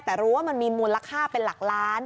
แต่รู้ว่ามันมีมูลค่าเป็นหลักล้าน